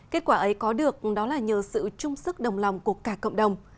kết quả ấy có được đó là nhờ sự trung sức đồng lòng của cả cộng đồng